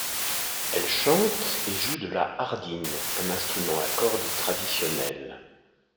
Elle chante et joue de la ardîn, un instrument à cordes traditionnel.